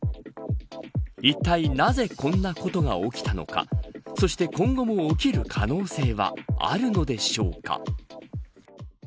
いったいなぜ、こんなことが起きたのかそして今後も起きる可能性はあるのでしょうか。